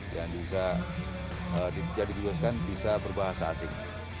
yang bisa dijadikan bisa berbahasa asing